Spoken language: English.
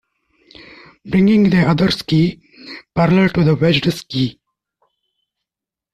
Bringing the other ski parallel to the wedged ski.